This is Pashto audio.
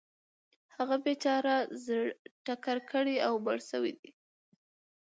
هغه بیچاره ټکر کړی او مړ شوی دی .